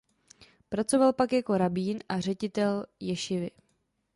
Pracoval pak jako rabín a ředitel ješivy.